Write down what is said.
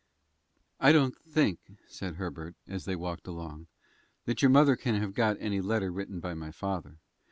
"I don't think," said Herbert, as they walked along, "that your mother can have got any letter written by my father.